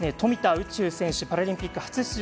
宇宙選手パラリンピック初出場。